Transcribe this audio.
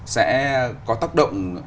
sẽ có tác động